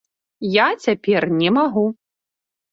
Я цяпер не магу.